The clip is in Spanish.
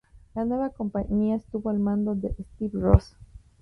La nueva compañía estuvo al mando de Steve Ross.